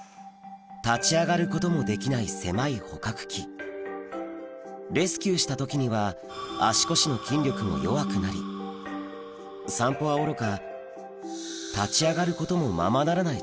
立ち上がることもできない狭い捕獲器レスキューした時には足腰の筋力も弱くなり散歩はおろか立ち上がることもままなら